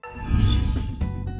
chẳng sẵn không phải là rõ ràng